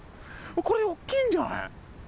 これ大っきいんじゃない？